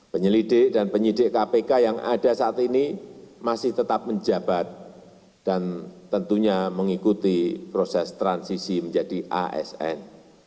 penyelidik dan penyidik kpk yang ada saat ini masih tetap menjabat dan tentunya mengikuti proses transisi menjadi asn